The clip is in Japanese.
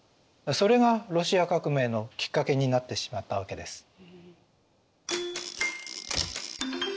それがロシア革命のきっかけになってしまったわけです。